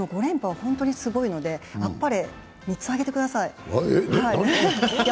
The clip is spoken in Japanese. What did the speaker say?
本当にすごいことなので、３つあげてください。